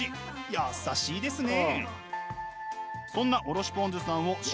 優しいですね。